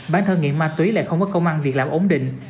bán thơ nghiện ma túy lại không có công an việc làm ổn định